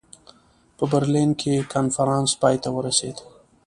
په برلین کې کنفرانس پای ته ورسېد.